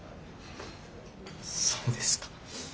そうですか。